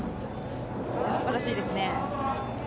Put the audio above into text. すばらしいですね。